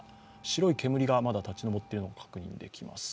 白い煙がまだ立ち上っているのが確認できます。